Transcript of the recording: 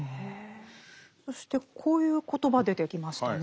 そしてこういう言葉出てきましたね。